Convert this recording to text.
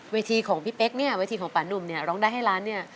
ของพี่เป๊กเนี่ยเวทีของป่านุ่มเนี่ยร้องได้ให้ล้านเนี่ย